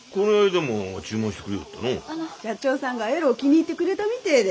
社長さんがえろう気に入ってくれたみてえで。